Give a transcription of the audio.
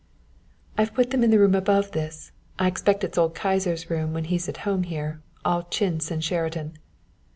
"I've put them in the room above this. I expect it's old Kyser's room when he's at home here, all chintz and Sheraton."